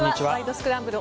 スクランブル」